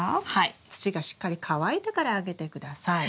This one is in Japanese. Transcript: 土がしっかり乾いてからあげて下さい。